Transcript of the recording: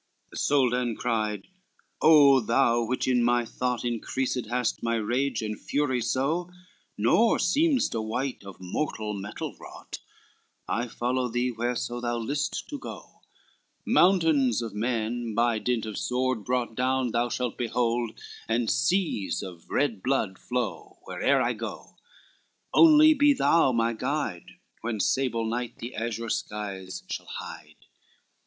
XII The Soldan cried, "O thou which in my thought Increased hast my rage and fury so, Nor seem'st a wight of mortal metal wrought, I follow thee, whereso thee list to go, Mountains of men by dint of sword down brought Thou shalt behold, and seas of red blood flow Where'er I go; only be thou my guide When sable night the azure skies shall hide."